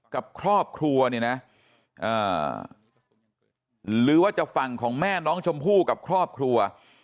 กับครอบครัวเนี่ยนะหรือว่าจะฝั่งของแม่น้องชมพู่กับครอบครัว